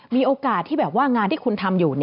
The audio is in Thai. มีโอกาสที่แบบว่างานที่คุณทำอยู่